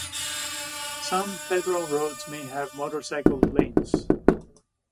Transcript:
Some federal roads may have motorcycle lanes.